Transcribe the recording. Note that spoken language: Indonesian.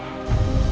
udah pak daripada